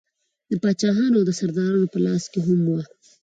د پاچاهانو او سردارانو په لاس کې هم وه.